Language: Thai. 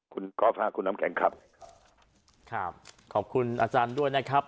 คุณกอล์ฟค่ะคุณน้ำแข็งครับครับขอบคุณอาจารย์ด้วยนะครับ